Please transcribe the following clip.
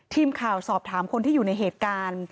ทีมข่าวสอบถามคนที่อยู่ในเหตุการณ์